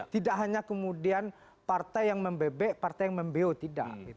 tidak hanya kemudian partai yang membebek partai yang membeo tidak